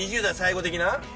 ２０代最後的な？